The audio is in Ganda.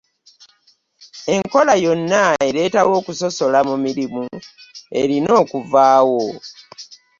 Enkola yonna eretawo okusosola mu mirimu erina okuvaawo.